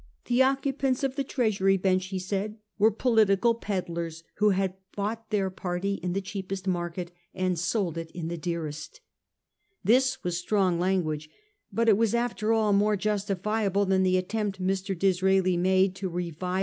'The occupants of the Treasury bench,' he said, were 'political pedlars, who had bought their party in the cheapest market and sold it in the dearest.' This was strong language. But it was after all more jus tifiable than the attempt Mr. Disraeli made to revive 408 A HISTORY OF OUR OWN TIMES. ca. xti.